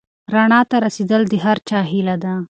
رڼا ته رسېدل د هر چا هیله ده.